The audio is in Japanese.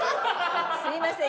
すいません。